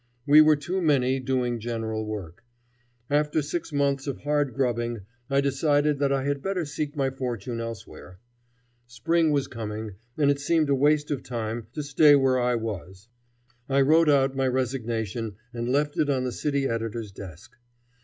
We were too many doing general work. After six months of hard grubbing I decided that I had better seek my fortune elsewhere. Spring was coming, and it seemed a waste of time to stay where I was. I wrote out my resignation and left it on the city editor's desk.